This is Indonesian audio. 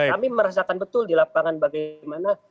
kami merasakan betul di lapangan bagaimana